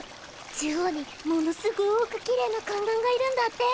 中央にものすごくキレイな宦官がいるんだって。